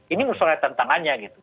ini musnahnya tantangannya gitu